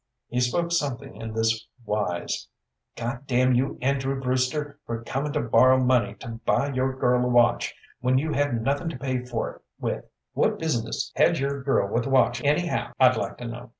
He spoke something in this wise: "GoddamnyouAndrewBrewster, for comin'to borrow money to buy your girl a watch when you had nothin' to pay for't with, whatbusinesshadyourgirlwithawatchanyhow, I'dliket'know?